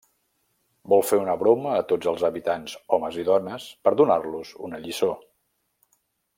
Vol fer una broma a tots els habitants -homes i dones- per donar-los una lliçó.